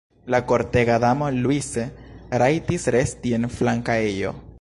La kortega damo Luise rajtis resti en flanka ejo.